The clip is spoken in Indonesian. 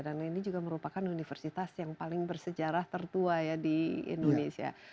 dan ini juga merupakan universitas yang paling bersejarah tertua di indonesia